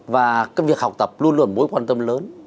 và các việc học tập luôn luôn mối quan tâm lớn